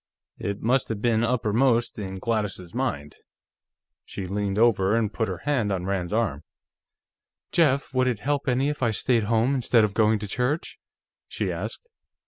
It must have been uppermost in Gladys's mind; she leaned over and put her hand on Rand's arm. "Jeff, would it help any if I stayed home, instead of going to church?" she asked.